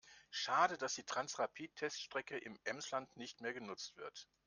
Schade, dass die Transrapid-Teststrecke im Emsland nicht mehr genutzt wird.